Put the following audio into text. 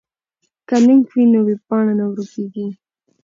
که لینک وي نو ویبپاڼه نه ورکیږي.